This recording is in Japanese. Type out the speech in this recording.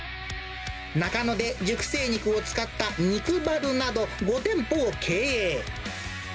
中野で熟成肉を使った肉バルなど、５店舗を経営。